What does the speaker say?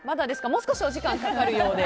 もう少しお時間かかるそうで。